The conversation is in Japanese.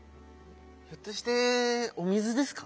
ひょっとしてお水ですか？